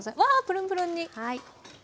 プルンプルンに！